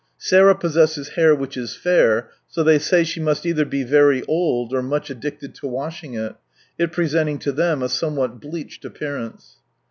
Sarah possesses hair which is fair, so they say she must either be very old, or much addicted to washing it, it presenting to them a somewhat bleached appearance.